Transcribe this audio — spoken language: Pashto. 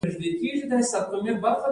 الوتکه د انسان بریالیتوب ښيي.